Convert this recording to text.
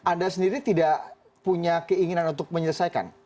anda sendiri tidak punya keinginan untuk menyelesaikan